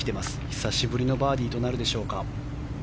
久しぶりのバーディーとなるでしょうか。